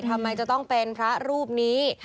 ทำไมจะต้องเป็นพระรูปนี้